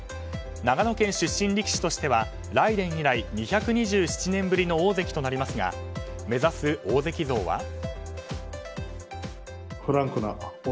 長野県出身力士としては雷電以来２２７年ぶりの大関となりますが目指す大関像は？